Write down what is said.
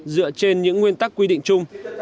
dựa trên những nguyên tắc quy định chung